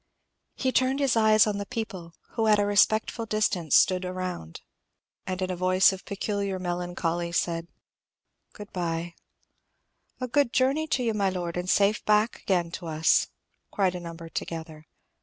He turned his eyes on the people, who at a respectful distance stood around, and in a voice of peculiar melancholy said, "Good bye." "A good journey to you, my Lord, and safe back again to us," cried a number together.